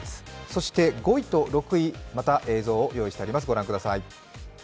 そして５位と６位、また映像を用意してあります。